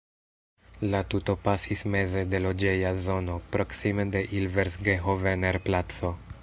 La tuto pasis meze de loĝeja zono proksime de Ilversgehovener-placo.